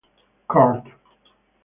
Card.